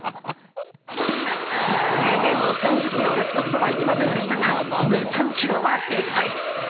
夢の３０ｋｇ獲得とはいきませんでしたが米３ｋｇはでかい！